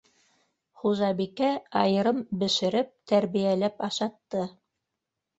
Хужабикә айырым бешереп, тәрбиәләп ашатты.